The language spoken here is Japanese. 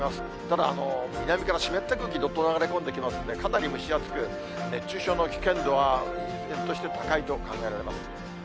ただ、南から湿った空気、どっと流れ込んできますんで、かなり蒸し暑く、熱中症の危険度は依然として高いと考えられます。